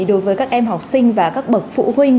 đối với các em học sinh và các bậc phụ huynh